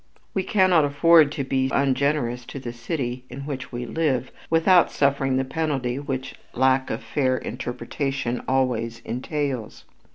We cannot afford to be ungenerous to the city in which we live without suffering the penalty which lack of fair interpretation always entails.